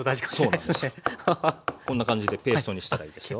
こんな感じでペーストにしたらいいですよ。